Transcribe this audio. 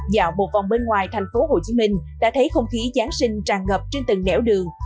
dạo một vòng bên ngoài thành phố hồ chí minh đã thấy không khí giáng sinh tràn ngập trên từng nẻo đường